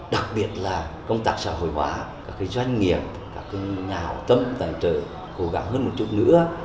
đặc biệt là công tác xã hội hóa các doanh nghiệp các nhà hào tâm tài trợ cố gắng hơn một chút nữa